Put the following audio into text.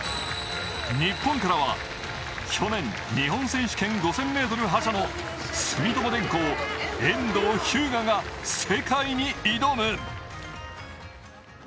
日本からは去年日本選手権５０００ｍ覇者の住友電工・遠藤日向が世界に挑む！